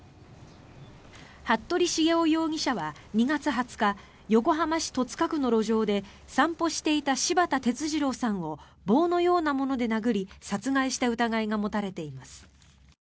服部繁雄容疑者は２月２０日横浜市戸塚区の路上で散歩していた柴田哲二郎さんを棒のようなもので殴り殺害した疑いが持たれています。